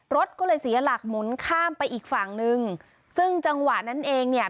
รถก็เลยเสียหลักหมุนข้ามไปอีกฝั่งนึงซึ่งจังหวะนั้นเองเนี่ย